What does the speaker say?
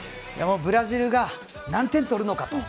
ブラジルが何点取るのかと。